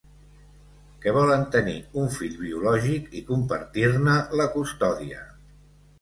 Que volen tenir un fill biològic i compartir-ne la custòdia.